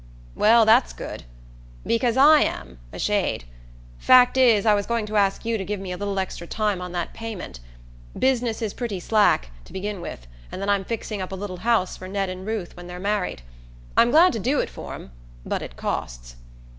"Well, that's good! Because I am, a shade. Fact is, I was going to ask you to give me a little extra time on that payment. Business is pretty slack, to begin with, and then I'm fixing up a little house for Ned and Ruth when they're married. I'm glad to do it for 'em, but it costs."